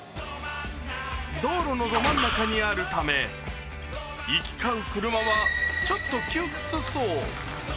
道路のど真ん中にあるため、行き交う車はちょっと窮屈そう。